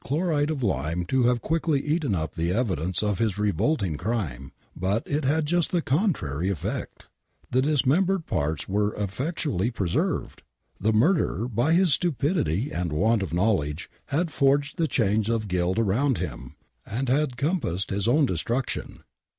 thloride of lime to have quickly eaten up the evidence of his revolting crime, but it had just the contrary effect ! The dismembered parts were effectually preserved ! The murderer, by his stupidity and want of knowledge, had forged the chains of guilt around him, and had compassed his own destruction